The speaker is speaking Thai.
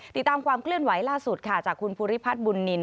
ติดตามความเคลื่อนไหวล่าสุดค่ะจากคุณภูริพัฒน์บุญนิน